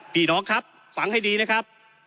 พี่น้องครับฟังให้ดีนะครับ